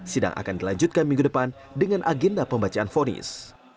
sidang akan dilanjutkan minggu depan dengan agenda pembacaan fonis